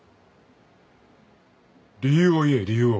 理由を言え理由を。